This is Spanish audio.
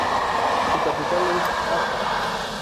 Su capital es Assa.